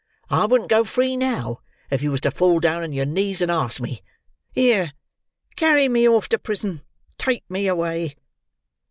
I wouldn't go free, now, if you was to fall down on your knees and ask me. Here, carry me off to prison! Take me away!"